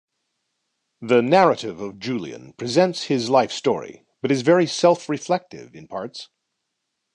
The narrative of Julian presents his life story but is very self-reflective in parts.